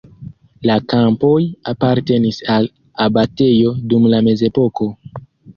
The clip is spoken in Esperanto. La kampoj apartenis al abatejo dum la mezepoko.